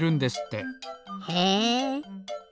へえ。